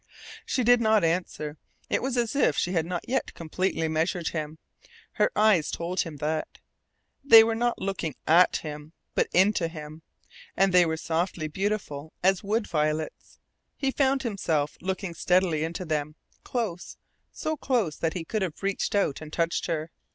She did not answer. It was as if she had not yet completely measured him. Her eyes told him that. They were not looking AT him, but INTO him. And they were softly beautiful as wood violets. He found himself looking steadily into them close, so close that he could have reached out and touched her.